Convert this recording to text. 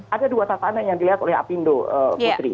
ada dua tatanan yang dilihat oleh apindo putri